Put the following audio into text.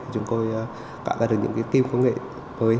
chúng tôi tạo ra được những cái team công nghệ mới